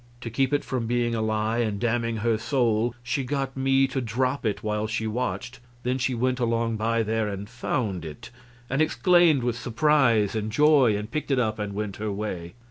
To keep it from being a lie and damning her soul, she got me to drop it while she watched; then she went along by there and found it, and exclaimed with surprise and joy, and picked it up and went her way.